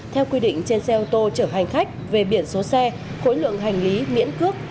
theo quy định trên xe ô tô chở hành khách về biển số xe khối lượng hành lý miễn cước